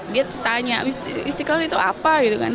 dia tanya istiqlal itu apa gitu kan